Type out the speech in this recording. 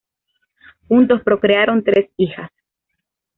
Juntos procrearon tres hijas.